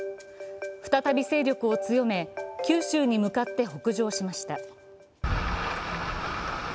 再び勢力を強め、九州に向かって北上しました。